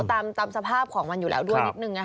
ตามสภาพของมันอยู่แล้วด้วยนิดนึง